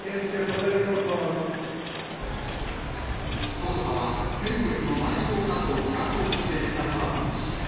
捜査は権力の乱用だと疑惑を否定したトランプ氏。